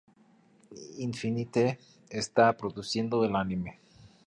Infinite está produciendo el anime.